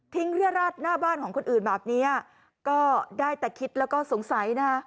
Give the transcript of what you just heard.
เรียราชหน้าบ้านของคนอื่นแบบนี้ก็ได้แต่คิดแล้วก็สงสัยนะฮะ